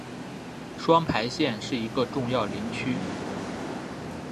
双牌县是一个重要林区。